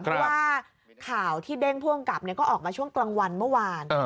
เพราะว่าข่าวที่เด้งผู้อำกับก็ออกมาช่วงกลางวันเมื่อวาน